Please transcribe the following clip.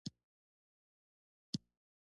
د جوار دانه د څه لپاره وکاروم؟